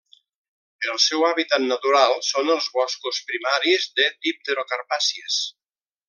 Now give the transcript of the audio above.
El seu hàbitat natural són els boscos primaris de dipterocarpàcies.